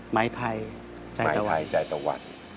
หมายไทยใจตะวัด